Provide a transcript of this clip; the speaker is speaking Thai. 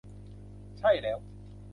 ใช่แล้ว